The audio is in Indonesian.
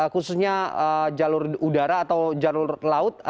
khususnya jalur udara atau jalur laut